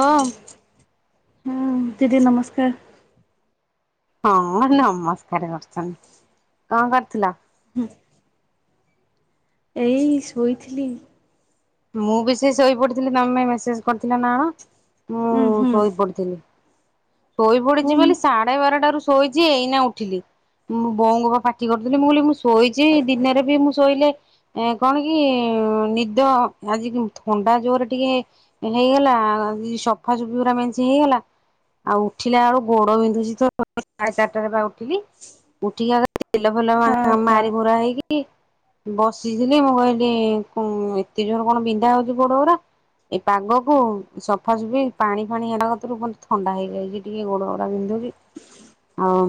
ହଁ। ହୁଁ ଦିଦି ନମସ୍କାର। ହଁ ନମସ୍କାର କରୁଛନ୍ତି କଣ କରୁଥିଲ? ଏଇ ଶୋଇଥିଲି। ମୁଁ ବି ସେଇ ଶୋଇପଡିଥିଲି ତମେ ମେସେଜ କରିଥିଲ ନା କଣ? ମୁଁ ଉଁ ହୁଁ ଶୋଇ ପଡିଥିଲି। ଶୋଇ ପଡିଛି ହୁଁ ବୋଲି ସାଢେ ବାରଟାରୁ ଶୋଇଛି ଏଇନା ଉଠିଲି। ବୋଉଙ୍କୁ ବା ପାଟି କରିୁଥିଲି ମୁଁ କହିଲି ମୁଁ ଶୋଇଛି ଦିନରେ ବି ମୁଁ ଶୋଇଲେ କଣ କି- ନିଜ ଆଜି ଥଣ୍ଡା ଜୋରରେ ଟିକେ ହେଇଗଲା ସଫାସଫି ଗୁଡା ମେଞ୍ଚେ ହେଇଗଲା। ଆଉ ଉଠିଲା ବେଳୁ ଗୋଡ ବିନ୍ଧୁଛି ତ ସାଢେ ଚାରିଟାରେ ବା ଉଠିଲି ଉଠିକି ତେଲ ଭଲ ହଉ ହଁ ମାରି ମରା ହେଇକି ବସିଥିଲି ମୁଁ କହିଲି ଏତେ ଜୋର କଣ ବିନ୍ଧା ହଉଛି ଗୋଡ ଗୁରା ଏଇ ପାଗକୁ ସଫାସୁଫି ପାଣି ଫାଣି ହେବା କତୁରୁ ପୁଣି ଥଣ୍ଡା ହେଇଯାଇଛି ଟିକେ ଗୋଡ ଗୁରା ବିନ୍ଧୁଛି ଆଉ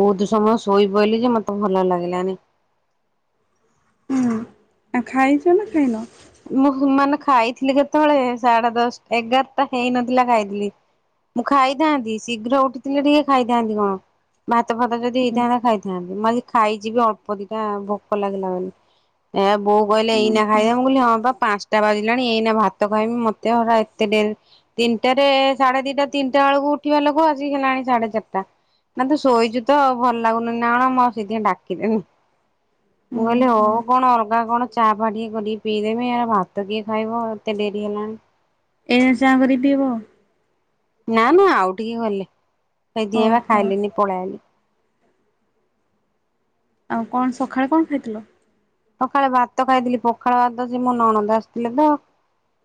ବହୁତ ସମସ୍ତ ଶୋଇପଇଲି ଯେ ମତେ ଭଲ ଲାଗିଲାନି ହୁଁ ଖାଇଛ ନା ଖାଇନ? ମୁଁ ମାନେ ଖାଇଥିଲି କେତେବେଳେ ସାଢେ ଦଶା ଏଗାରଟା ହେଇନଥିଲା ଖାଇଥିଲି। ମୁଁ ଖାଇଥାନ୍ତି ଶୀଘ୍ର ଉଠିଥିଲେ ଟିକେ ଖାଇଥାନ୍ତି, କଣ ଭାତ ଫାତ ଯଦି ହୁଁ ହେଇଥାନ୍ତା ଖାଇଥାନ୍ତି। ମୁଁ ଆଜି ଖାଇଚିବି ଅଳ୍ପ ଦିଟା ଭୋକ ଲାଗିଲା ବୋଲି ଏ ବୋଉ କହିଲେ ହୁଁ ଏଇନା ହୁଁ ଖାଇବା ମୁଁ କହିଲି ହଁ। ପାଞ୍ଚଟା ବାଜିଲାଣି ଏଇନା ଭାତ ଖାଇମି ମତେ ଏତେ ଡେରି ତିନିଟାରେ ସାଢେ ଦିଟା ତିନିଟା ଦିନିଟା ବେଳକୁ ଉଠିବା ଲୋକ ଆଜି ହେଲାଣି ସାଢେ ଚାରିଟା ନା ତୁ ଶୋଇଛୁ ତ ଆଉ ଭଲ ଲାଗୁନି ନା କଣ ମୁଁ ସେଇଥିପାଇଁ ଡାକିଲିନି ମୁଁ ହୁଁ କହିଲି ହଉ ହୁଁ କଣ ଅଲଗା କଣ ଚା ଫା ଟିକେ କରିକି ପିଇଦେବି ପୁଣି ଏ ଭାତ କିଏ ଖାଇବ ଏତେ ଡେରି ହେଲାଣି। ଏ ଚା କରିବି ପିବ ନା ମଁ ଆଉ ଟିକେ ଗଲେ ସେଇଦିନ ବା ଓହୋ ଖାଇଲିନି ପଳେଇଆଇଲି। ଆଉ କଣ ସକାଳେ କଣ ଖାଇଥିଲ? ସଖାଳେ ଭାତ ଖାଇଥିଲି ପଖାଳ ଭାତ ସେ ମୋ ନଣନ୍ଦ ଆସିଥିଲେ ତ?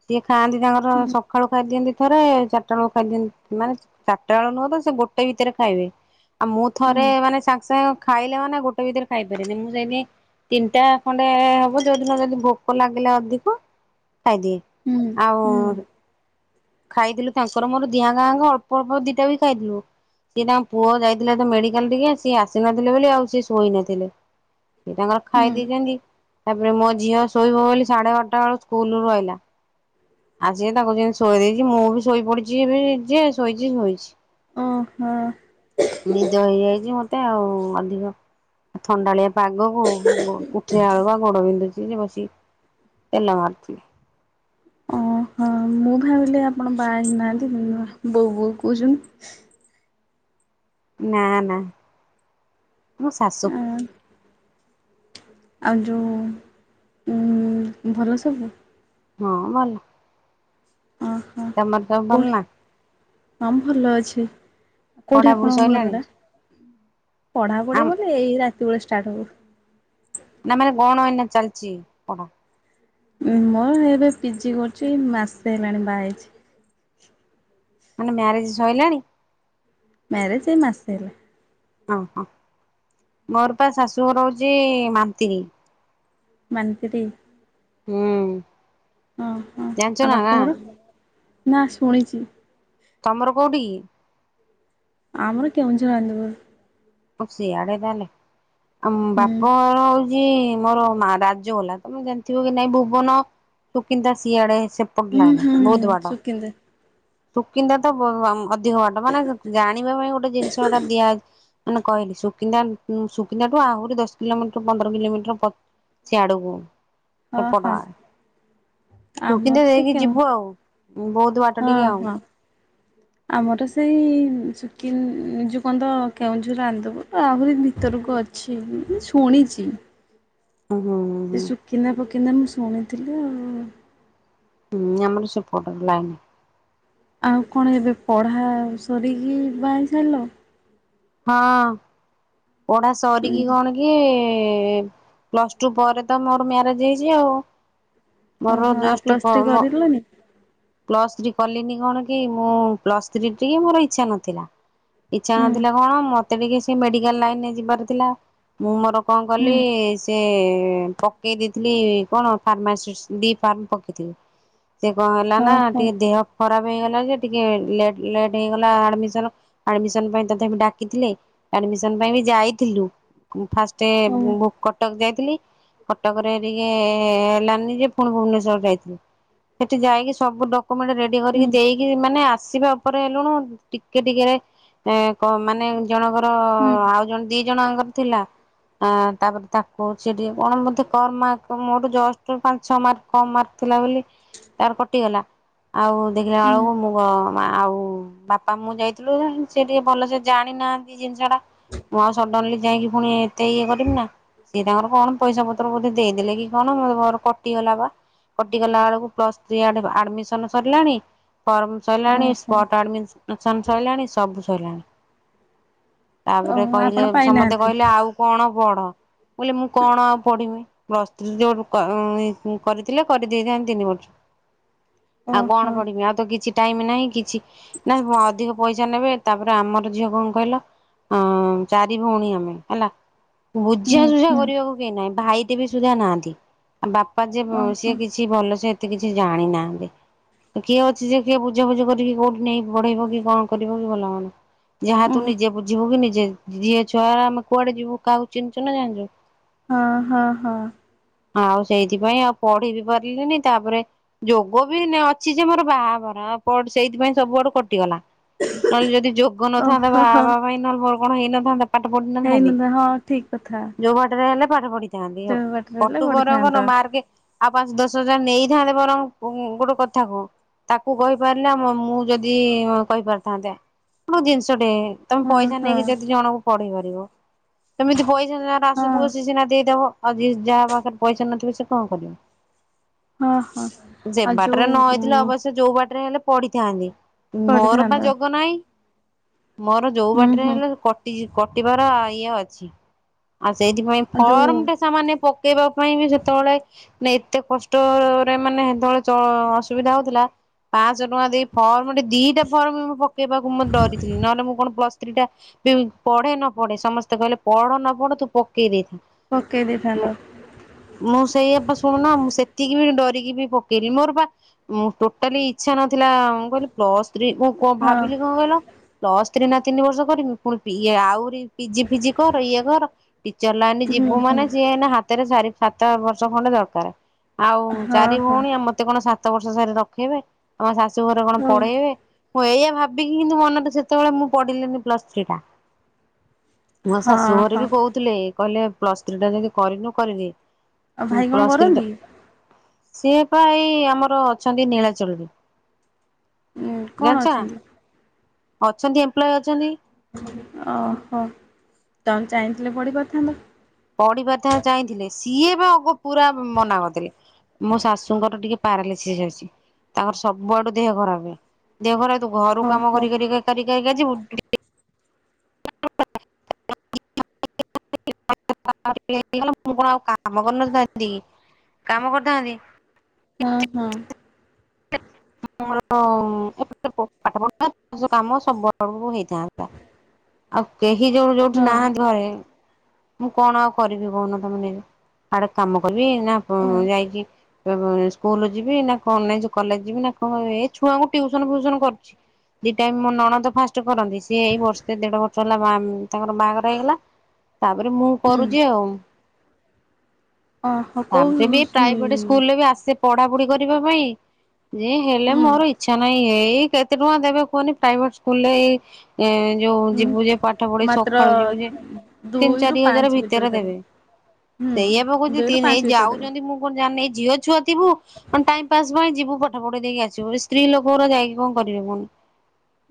ସିଏ ଖାଆନ୍ତି ତାଙ୍କର ହୁଁ ସକାଳୁ ଖାଇଦିଅନ୍ତି, ଥରେ ଚାରିଟା ବେଳକୁ ଖାଇଦିଅନ୍ତି ମାନେ ଚାରିଟା ବେଳ ନୁହଁ ତ ସେ ଗୋଟେ ଭିତରେ ଖାଇବେ। ଆଉ ମୁଁ ହୁଁ ଥରେ ମାନେ ସାଙ୍ଗେ ସାଙ୍ଗେ ଖାଇଲେ, ମାନେ ଗୋଟେ ଭିତରେ ଖାଇପାରିନି ମୁଁ ସେଇଥିପାଇଁ ତିନିଟା ଖଣ୍ଡେ ହବ ଯୋଉଦିନ ଯଦି ଭୋକ ଲାଗିଲା ଅଧିକ ଖାଇ ଦିଏ ହୁଁ ଆଉ ହୁଁ ଖାଇଦେଲୁ ତାଙ୍କର ମୋର ଦି ଜଣ ଆଙ୍କ ଅଳ୍ପ ଅଳ୍ପ ଦିଟା ବି ଖାଇଥିଲୁ। ସିଏ ତାଙ୍କ ପୁଅ ଯାଇଥିଲେ, ତ ମେଡିକାଲ ଟିକେ ସିଏ ଆସିନଥିଲେ ବୋଲି ଆଉ ସିଏ ଶୋଇ ନଥିଲେ। ସେ ତାଙ୍କର ହୁଁ ଖାଇ ଦେଇଛନ୍ତି। ତାପରେ ମୋ ଝିଅ ଶୋଇବ ବୋଲି ସାଢେ ଅଠଟା ବେଳକୁ ସ୍କୁଲ ରୁ ଆଇଲା। ଆସିକି ତାକୁ ଯେମିତି ଶୋଇ ଦେଇଛି ମୁଁ ବି ଶୋଇପଡିଛି ଏବେ ଯେ ଶୋଇଛି ଶୋଇଛି। ଓହୋ। ନିଦ ହେଇଯାଇଛି ମତେ ଆଉ ଅଧିକ ଥଣ୍ଡାଳିଆ ପାଗ କୁ କୁଠିଆ ହାଡ କୁ ଗୋଡ ବିନ୍ଧୁଛି ଯେ ବସି ତେଲ ମାରୁଥିଲି। ଓହୋ ମୁଁ ଭାବିଲି ଆପଣ ବାହା ହେଇ ନାହାନ୍ତି, ବୋଉ ବୋଉ କହୁଛନ୍ତି। ନା ନା ମୁଁ ଶାଶୁ ଆଁ ଆଉ ଯୋଉଁ ଭଲ ସବୁ? ହଁ ଭଲ। ଓହୋ। ତମର ସବୁ ଭଲ କୋଉଠି ନା? ହଁ ଭଲ ଅଛି କୋଉଠି ପଢାପଢି ଆପଣଙ୍କ ଘର ସଇଲାଣି ଟା? ପଢା ପଢି ଆମ ବୋଲି ଏଇ ରାତି ବେଳେ ଷ୍ଟାର୍ଟ ହବ। ନା ମାନେ କଣ ଏଇନେ ଚାଲିଛି ପଢା? ମୋର ଏବେ ପିଜି କରୁଛି ମାସେ ହେଲାଣି ବାହା ହେଉଛି। ମାନେ ମ୍ୟାରେଜ ସଇଲାଣି? ମ୍ୟାରେଜ ଏ ମାସେ ହେଲା। ଓ ହୋ ମୋର ପା ଶାଶୁଘର ହଉଚି ମନ୍ତିରୀ। ମନ୍ତୀରି। ହୁଁ। ଓ ହଁ ଜାଣିଛ ଆଉ ନା ଗାଁ ବାପଘର? ନା ଶୁଣିଛି ତମର କୋଉଠିକି? ଆମର କେଉଁଝର ଆନନ୍ଦପୁର। ଆଉ ସିଆଡେ ତାହେଲେ। ଆମ ହୁଁ। ବାପ ଘର ହଉଚି ମୋର ମା ରାଜାଗଲା ତମେ ଜାଣିଥିବ କି ନାଇଁ ଭୁବନ ସୁକିନ୍ଦା ସିଆଡେ ସେପଟ ହୁଁ ଲାଇନ ହୁଁ ହୁଁ ବହୁତ ବାଟ। ସୁକିନ୍ଦା ସୁକିନ୍ଦା ତ ଅଧିକ ବାଟ ମାନେ ଜାଣିବା ପାଇଁ ଗୋଟେ ଜିନିଷଟା ଦିଆଯଛି ମାନେ କହିଲି ସୁକିନ୍ଦା ଟୁ ଆହୁରି ଦଶ କିଲୋମିଟର ପନ୍ଦର କିଲୋମିଟର ସେଆଡୁକୁ ହଁ ହଁ ସେପଟ ଆ ଆମର ସୁକିନ୍ଦା ସେ ଦେଇକି କେଉଁ ଯିବୁ ଆଉ ବହୁତ ବାଟ ହଁ ଟିକେ ଆଉ ହଁ ଆମର ସେଇ ସୁ [inaudible] ଆହୁରି ଭିତରକୁ ଅଛି ଶୁଣିଛି। ହୁଁ ସେ ହୁଁ ସୁକିନ୍ଦା ଫୁକିନ୍ଦା ମୁଁ ଶୁଣିଥିଲି ଆଉ ହୁଁ ଆମର ସେପଟ ଲାଇନ ଆଉ କଣ ଏବେ ପଢା ସରିକି ବାହା ହେଇ ସରିଲା? ହଁ ପଢା ଉଁ ସରିକି କଣ କି ହୁଁ ପ୍ଲସ ଟୁ ପରେ ତ ମୋର ମ୍ୟାରେଜ ହେଇଛି ଆଉ। ମୋର ଓହୋ ଆଉ ଜଷ୍ଟ, [inaudible] ପ୍ଲସ୍ ଥ୍ରୀ କରିଲନି ପ୍ଲସ ଥ୍ରୀ କଲିନି କଣ କି ମୁଁ ପ୍ଲସ ଥ୍ରୀ ଟିକେ ମୋର ଇଚ୍ଛା ନଥିଲା। ଇଚ୍ଛା ହୁଁ ନଥିଲା କଣ ମତେ ଟିକେ ସେ ମେଡିକାଲ ଲାଇନରେ ଯିବାର ଥିଲା ମୁଁ ମୋର କଣ ହୁଁ କଲି ସେ ପକେଇ ଦେଇଥିଲି କଣ ଫାର୍ମାସିଷ୍ଟ ବିଫର୍ମା ପକେଇଥିଲି ସେ କଣ ହେଲା ନା ଓହୋ ଟିକେ ଦେହ ଖ ଖରାପ ହେଇଗଲା ଯେ, ଟିକେ ଲେଟ ହେଇଗଲା ଆଡମିଶନ। ଆଡମିଶନ ପାଇଁ ତଥାପି ଡାକିଥିଲେ। ଆଡମିସନ ପାଇଁ ବି ଯାଇଥିଲୁ। ଫାଷ୍ଟ ଓ କଟକ ଯାଇଥିଲି। କଟକରେ ଟିକେ ହେଲାନି ଯେ ପୁଣି ଭୁବନେଶ୍ୱର ଯାଇଥିଲି। ସେଠି ଯାଇକି ସବୁ ଡକ୍ୟୁମେଣ୍ଟ ରେଡି ହୁଁ କରିକି ଦେଇକି ମାନେ ଆସି ଉପରେ ହେଲୁଣୁ ଟିକେ ଟିକେ ରେ ମାନେ ଜଣକର ହୁଁ ଆଉ ଜଣ ଦି ଜଣଆଙ୍କର ଥିଲା। ଆ ତାପରେ ତାକୁ ସେ ଟିକେ କଣ ମତେ କମ୍ ମାର୍କ ମୋ ଠୁ ଜଷ୍ଟ ପାଞ୍ଚ ଛଅ ମାର୍କ କମ୍ ମାର୍କ ଥିଲା ବୋଲି ତାର କଟିଗଲା। ଆଉ ଦେଖିଲା ହୁଁ ବେଳକୁ ମୁଁ ଆଉ ବାପା ମୁଁ ଯାଇଥିଲୁ ସେ ଟିକେ ଭଲସେ ଜାଣିନାହାନ୍ତି ଜିନିଷ ଟା। ମୁଁ ଆଉ ସଡନଲି ଯାଇକି ପୁଣି ଏତେ ଇଏ କରବି ନା। ସିଏ ତାଙ୍କର କଣ ପଇସା ପତ୍ର ବୋଧେ ଦେଇଦେଲେ କି କଣ। ମୋତେ ଘରୁ କଟିଗଲା ବା କଟିଗଲା ବେଳକୁ ପ୍ଲସ୍ ଥ୍ରୀ ଇଆଡେ ଆଡ଼ମିଶନ ସରିଲାଣି ଫର୍ମ ସରିଲାଣି ଓହୋ ସ୍ପଟ୍ ଆଡ଼ମିଶନ ସଇଲାଣି ସବୁ ସଇଲାଣି। ତାପରେ ଓହୋ କହିଲେ ଆପଣ ସମସ୍ତେ ପାଇନାହାନ୍ତି କହିଲେ ଆଉ କଣ ପଢ। ମୁଁ କହିଲି ମୁଁ କଣ ଆଉ ପଢିମି। ପ୍ଲସ ଥ୍ରି ଯୋଉ କରିଥିଲେ କରିଦେଇଥାନ୍ତି ତିନି ବର୍ଷ। ଆଉ କଣ ଓହୋ ପଢିମି ଆଉ ତ କିଛି ଟାଇମ ନାହିଁ କିଛି ନା ଅଧିକ ପଇସା ନେବେ। ତାପରେ ଆମର ଝିଅ କଣ କହିଲ ଅ ଚାରି ଭଉଣୀ ଆମେ ହେଲା। ହୁଁ ବୁଝାସୁଝା ହୁଁ କରିବାକୁ କେହି ନାହିଁ। ଭାଇ ଟେ ବି ସୁଧା ନାହାନ୍ତି। ବାପା ଯେ ସିଏ ଓହୋ କିଛି ଭଲ ସେ ଏତେ କିଛି ଜାଣି ନାହାନ୍ତି। କିଏ ଅଛି ଯେ କିଏ ବୁଝା ବୁଝି କରିକି କୋଉଠି ନେଇ ପଢେଇବ କି କଣ କରିବ କି ଭଲ ମନ୍ଦ। ଯାହା ଉଁ ତୁ ନିଜେ ବୁଝିବୁ କି ନିଜେ ଝିଅ ଛୁଆ ଆମେ କୁଆଡେ ଯିବୁ କାହାକୁ ଚିହ୍ନିଛୁ ନା ଜାଣିଚୁ। ହଁ, ହଁ, ହଁ। ଆଉ ସେଇଥିପାଇଁ ଆଉ ପଢି ବି ପାରିଲିନି। ତାପରେ ଯୋଗ ବି ନା ଅଛି ଯେ ମୋର ବାହାହବାର ଆଉ ସେଇଥିପାଇଁ ସବୁଆଡୁ କଟିଗଲା। ନହେଲେ ଯଦି ଯୋଗ ନଥାନ୍ତା ଓହୋ ହୋ ବାହାହବା ପାଇଁ ନହେଲେ ମୋର କଣ ହେଇନଥାନ୍ତା। ପାଠ ପଢିନଥାନ୍ତି। ହେଇନଥା ହଁ ଠିକ୍ କଥା ଯଉ ବାଟରେ ହେଲେ ନ୍ତି ଆଉ। ଯୋଉ ବାଟରେ ହେଲେ କଟୁ ବଂର ପଢିଥାନ୍ତ ନ ମାର୍କେ ଆଉ ପାଞ୍ଚ ଦଶ ହଜାର ନେଇଥାନ୍ତେ ବରଂ ଗୋଟେ କଥା କୁହ ତାକୁ କହିପାରିଲା ମୁଁ ଯଦି କହିପାରିଥାନ୍ତେ। ଗୋଟେ ଜିନିଷଟେ ତମେ ହଁ ପଇସା ହଁ ନେଇକି ଯଦି ଜଣଙ୍କୁ ପଢେଇ ପାରିବ। ସେମିତି ପଇସା ଯାହାର ହଁ ଆସୁଥିବ ସେ ସିନା ଦେଇଦବ। ଆଉ ଯିଏ ଯାହା ପାଖରେ ପଇସା ନଥିବେ ସେ କଣ କରିବ। ହଁ ହଁ ଯେ ଆଉ ବାଟରେ ନ ହେଇଥିଲେ ଯୋଉ ଅବଶ୍ୟ ଯୋଉ ବାଟରେ ହେଲେ ପଢିଥାନ୍ତି ମୋର ବା ପଢିଥାନ୍ତ ଯୋଗ ନାହିଁ। ମୋର ଯୋଉ ହୁଁ ବାଟରେ ହୁଁ ହେଲେ କଟି ଯି କଟିବାର ଇଏ ଅଛି। ସେଇଥିପାଇଁ ଆଉ ଯୋଉ ଫର୍ମ ଟା ସାମାନ୍ୟ ପକେଇବା ପାଇଁ ବି ସେତେବେଳେ ଏତେ କଷ୍ଟ ମାନେ ସେତେବେଳେ ଚ ମାନେ ଅସୁବିଧା ହଉଥିଲା। ପାଂଶ ଟଙ୍କା ଦେଇ ଫର୍ମ୍ ମୁଁ ଦିଟା ଫର୍ମ ମୁଁ ପକେଇବାକୁ ମୁଁ ଡରିଥିଲି। ନହେଲେ ମୁଁ କଣ ପ୍ଲସ ଥ୍ରୀ ଟା ପଢେ ନ ପଢେ ସମସ୍ତେ କହିଲେ ପଢ ନ ପଢ ତୁ ପକେଇଦେଇଥା। ପକେଇ ଦେଇଥାନ୍ତ ମୁଁ ସେଇପା ଶୁଣୁନା ମୁଁ ସେତିକି ବି ଡରିକି କି ବି ପକେଇଲି। ମୋର ବା ଟୋଟାଲି ଇଛା ନଥିଲା ମୁଁ କହିଲି ପ୍ଲସ୍ ଥ୍ରୀ କଣ ଭାବିଲି କଣ ହଁ କହିଲ, ପ୍ଲସ୍ ଥ୍ରୀ ଏଇନା ତିନି ବର୍ଷ କରିବି ପୁଣି ଇ ଆହୁରି ପିଜି ଫିଜି କର ଇଏ କର। ଟିଚର ଲାଇନ୍ ହୁଁ ଯିବୁ ହୁଁ ମାନେ ସିଏ ହେ ହାତ ରେ ସାରି ସାତ ବର୍ଷ ଖଣ୍ଡେ ଦରକାର। ଆଉ ହଁ ଚାରି ହଁ ଭଉଣୀ ଆଉ ମତେ କଣ ସାତ ସାତ ବର୍ଷ ସରି ରଖେଇବେ। ଆ ମୋ ଶାଶୁ ଘରେ କଣ ହଉ ପଢେଇବେ? ହଁ ଏଇଆ ଭାବିକି କିନ୍ତୁ ମନରେ ସେତେବେଳେ ମୁଁ ପଢିଲିନି ପ୍ଲସ ଥ୍ରୀ ଟା। ମୋ ଶାଶୁ ହଁ ଘରେ ହଁ ବି ଆଉ କହୁଥିଲେ କହିଲେ ପ୍ଲସ ଥ୍ରୀ ଟା ଯଦି କରିନୁ କରିଦେ। ଆଉ ଭାଇ କଣ ପ୍ଲସ୍ ଥ୍ରୀ କରନ୍ତି? ସିଏ ପା ଏଇ ଆମର ଅଛନ୍ତି ନୀଳାଚଳ ରେ। ଉଁ କଣ ଅଛନ୍ତି? ଅଛନ୍ତି ଏମ୍ପ୍ଲୟ ଅଛନ୍ତି। ଓହୋ ତମେ ଚାହିଁଥିଲେ ପଢି ପାରିଥାନ୍ତା ପଢିବାର ତାହା ଚାଇଁଥିଲେ। ସିଏ ବା ଆଗ ପୁରା ମନା କରିଦେଲେ, ମୋ ଶାଶୁଙ୍କର ଟିକେ ପାରାଲିଶିଶ ଅଛି। ତାଙ୍କର ସବୁଆଡୁ ଦେହ ଖରାପ ଦେହ ଖରାପ। ତୁ ଘରୁ କାମ ଓହୋ କରିକରିକା କରିକା ଯିବୁ। [unintelligible] ମୁ କଣ ଆଉ କାମ କରିନଥାନ୍ତି କାମ କରିଥାନ୍ତି। ହଁ ହଁ। ହଁ। ପାଠ ପଢ କାମ ସବୁଆଡ଼କୁ ହେଇଥାନ୍ତା। ଆଉ କେହି ଯୋଉ ଯୋଉଠି ହଁ ନାହାନ୍ତି ଘରେ ମୁଁ କଣ ଆଉ କରିବି କହୁନ ତମେ ନିଜେ? ଆଡେ କାମ କରିବି ନା ଓ ଯାଇଛି ସ୍କୁଲ ଯିବି ନା କଣ କଲେଜ ଯିବି ନା। କଣ ଏ ଛୁଆଙ୍କୁ ଟ୍ୟୁସନ ଫ୍ୟୁସନ କରୁଛି। ଦିଟାଇମ ମୋ ନଣନ୍ଦ ଫାଷ୍ଟ କରନ୍ତି ସିଏ ଏଇ ବର୍ଷେ ଦେଢ ବର୍ଷ ହେଲା ତାଙ୍କର ବାହାଘର ହେଇଗଲା। ତାପରେ ମୁଁ ହୁଁ କରୁଛି ଆଉ। ଓହୋ ତା କୋଉ ପରେ ବି ଉଁ ପ୍ରାଇଭେଟ ସ୍କୁଲରେ ଉଁ ବି ଆସେ ପଢା ପଢି କରିବା ପାଇଁ ଯେ ହେଲେ ମୋର ଇଚ୍ଛା ନାହିଁ। ଏଇ କେତେ ଟଙ୍କା ଦେବେ କୁହନି ପ୍ରାଇଭେଟ ସ୍କୁଲରେ ଏଇ ଯୋଉ ଉଁ ଯିବୁ ଯେ ପାଠ ପଢି ମାତ୍ର ସଖାଳୁ ଯିବୁ ଯେ ତିନି ଚାରି ହଜାର ଭିତରେ ଦେବେ। ହୁଁ ସେଇଆ ପା କୋହୁଚି ଦୁଇରୁ ଏଇ ପାଞ୍ଚ ଭିତରେ ଦେବେ ଯାଉଛନ୍ତି ମୁଁ କଣ ଜାଣିନି ଏଇ ଝିଅ ଛୁଆ ଥିବୁ କ ଟାଇମ ପାସ୍ ପାଇଁ ଯିବୁ। ପାଠ ପଢି ଦେଇକି ଆସିବ ସ୍ତ୍ରୀ ଲୋକଙ୍କର ଯାଇକି କଣ କରିବେ କୁହନି।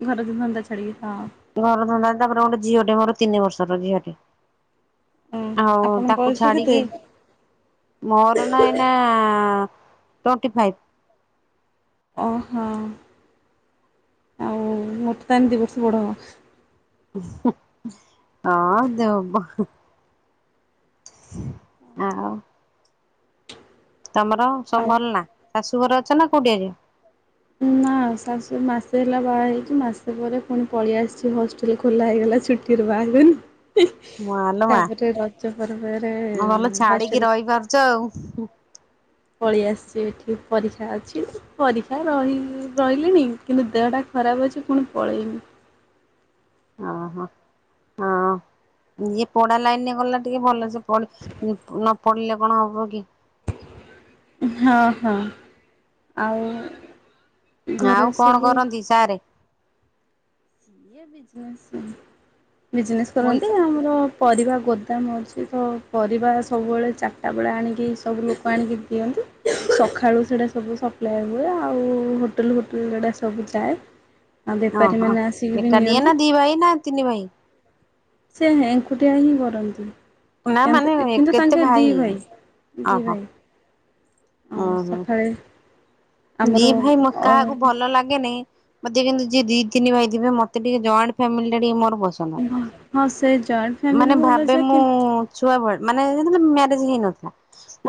ଘର ଧନ୍ଦା ଛାଡିକି ହଁ [inaudible] ଝିଅଟେ ମୋର ତିନି ବର୍ଷର ଝିଅଟେ। ଉଁ ଆଉ ଆପଣଙ୍କ ତାକୁ ବୟସ କେତେ? ଛାଡିକି ମୋର ନା ଏଇନା ଟ୍ୱଣ୍ଟି ଫାଇଭ୍। ଓଃ ହୋ ଆଉ ମୋଠୁ ତା ହେଲେ ଦୁଇ ବର୍ଷ ବଡ଼ ଆଉ। ହଁ ଦେବ। ଆ। ତମର ସବୁ ଭଲ ଆଉ ନା ଶାଶୁଘର ଅଛ ନା କୋଉଠି ଆ। ନାଁ। ହଁ ମାସେ ହେଲା ବାହା ହେଇଛି ମାସ ପରେ ପୁଣି ପଳେଇ ଆସିଛି ହଷ୍ଟେଲ ଖୋଲା ହେଇଗଲା ଛୁଟିର ବା [inaudible] ମାଲୋ ମା ତାପରେ ରଜ ପର୍ବରେ ଭଲ ଛାଡିକି ହଷ୍ଟେଲ। ରହିପାରୁଛ ଆଉ ପଳେଇ ଆସିଛି ଏଠି ପରୀକ୍ଷା ଅଛି ପରୀକ୍ଷା ରହି ରହିଲିଣି କିନ୍ତୁ ଦେହଟା ଖରାପ ଅଛି ପୁଣି ପଳେଇବି। ହ ହୋ ହଁ। ଇଏ ପଢା ଲାଇନରେ ଗଲା ଟିକେ ଭଲ ସେ ନ ପଢିଲେ କଣ ହବ କି ହଁ ହଁ ଆଉ। ଘରେ ଆଉ କଣ ସବୁ କରନ୍ତି ସାରେ? ସେ ବିଜନେସ୍ ବିଜନେସ୍ ମୁଁ କରନ୍ତି ଆମର ପରିବା ଗୋଦାମ ଅଛି ତ ପରିବା ସବୁବେଳେ ଚାରିଟା ବେଳେ ଆଣିକି ସବୁ ଲୋକ ଆଣିକି ଦିଅନ୍ତି। ସକାଳୁ ସେଇଟା ସବୁ ସପ୍ଲାଏ ହୁଏ ଆଉ ହୋଟେଲ ଫୋଟେଲ ଗୁଡା ସବୁ ଯାଏ। ଆଉ ବେପାରୀ ମାନେ ଆସ ଏକାଟିଆ ନା ଦିଇ ଭାଇ ନା ତିନି ଭାଇ। ସେ ଏଙ୍କୁଟିଆ ହିଁ ନା କରନ୍ତି। ମାନେ କିନ୍ତୁ କେତେ ତାଙ୍କେ ଦି ଭାଇ ଦି ଓହୋ ଭାଇ। ଉଁ ଆଉ ହୁଁ ସଖାଳେ ଦି ଭାଇ ମ କାହାକୁ ଭଲ ଲାଗେନି ମତେ କିନ୍ତୁ ଯିଏ ଦି ତିନି ଭାଇ ଥିବେ ମତେ ଟିକେ ଜଏଣ୍ଟ ଫାମିଲି ଟା ଟିକେ ମୋର ପସନ୍ଦ ହଁ ସେ ଜଏଣ୍ଟ ଫ୍ୟାମିଲି ମାନେ ଭଲ ଭାବେ ଯେ ମୁଁ ଛୁଆ ବେ ମାନେ ଯେତେବେଳେ ମ୍ୟାରେଜ ହେଇନଥିଲା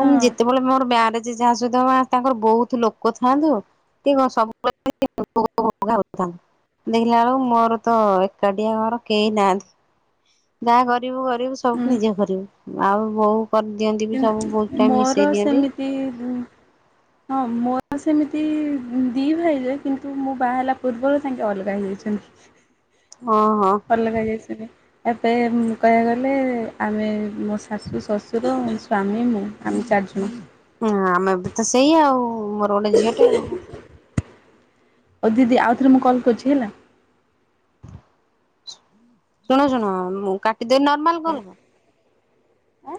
ମୁଁ ଯେତେବେଳେ ମ୍ୟାରେଜ୍ ଯାହା ସହିତ ତାଙ୍କର ବହୁତ ଲୋକ ଥାଆନ୍ତୁ କି କଣ ସବୁବେଳେ [unintelligible] ଦେଖିଲା ବେଳକୁ ମୋର ତ ଏକାଟିଆ ଘର କେହି ନାହାନ୍ତି। ଯାହା କରିବୁ କରିବୁ ସବୁ ନିଜେ କରିବୁ ଆଉ ବୋଉ କରିଦିଅନ୍ତି ବି ସବୁ ବହୁତ ଟାଇମ୍ ମୋର ମିଶେଇ ଦିଅନ୍ତି। ସେମିତି ହଁ ମୋ ହଁ, ସେମିତି ଦି ଭାଇଯେ କିନ୍ତୁ ମୁଁ ବାହା ହେଲା ପୂର୍ବରୁ ତାଙ୍କେ ଅଲଗା ହେଇଯାଇଚନ୍ତି। ହଁ ହଁ ଅଲଗା ହେଇଯାଇଚନି ଏବେ କହିବାକୁ ଗଲେ ଆମେ ମୋ ଶାଶୁ, ଶ୍ୱଶୁର, ସ୍ଵାମୀ, ମୁଁ ଆମେ ଚାରି ଜଣ। ହଁ, ଆମେ ବି ତ ସେଇଆ ଆଉ ମୋର ଗୋଟେ ଝିଅଟେ ଆଉ। ହଉ ଦିଦି ଆଉ ଥରେ ମୁଁ କଲ୍ କରୁଛି ହେଲା? ଶୁଣ ଶୁଣ ମୁଁ କାଟିଦେ ନର୍ମାଲ କଲ କର। ଆ?